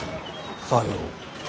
さよう。